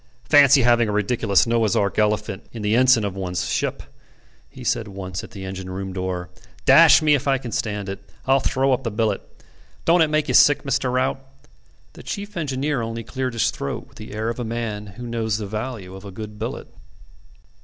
"Fancy having a ridiculous Noah's Ark elephant in the ensign of one's ship," he said once at the engine room door. "Dash me if I can stand it: I'll throw up the billet. Don't it make you sick, Mr. Rout?" The chief engineer only cleared his throat with the air of a man who knows the value of a good billet.